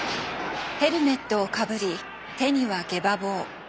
ヘルメットをかぶり手にはゲバ棒。